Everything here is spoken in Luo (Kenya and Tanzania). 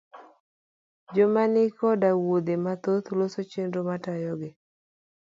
Joma ni koda wuothe mathoth, loso chenro matayogi